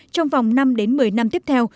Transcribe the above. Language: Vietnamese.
trong vòng năm một mươi năm tiếp theo